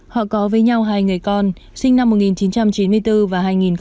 họ có với nhau hai người con sinh năm một nghìn chín trăm chín mươi bốn và hai nghìn